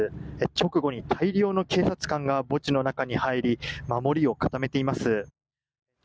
直後に大量の警察官が墓地の中に入り守りを固めています。